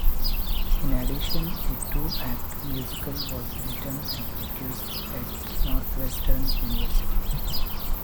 In addition, a two-act musical was written and produced at Northwestern University.